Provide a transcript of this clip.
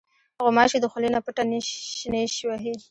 غوماشې د خولې نه پټه نیش وهي.